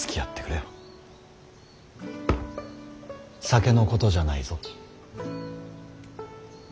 酒のことじゃないぞ。